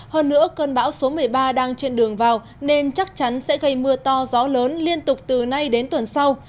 hơn nữa cơn bão số một mươi ba đang trên đường vào nên chắc chắn sẽ gây mưa to gió lớn liên tục từ nay đến tuần sau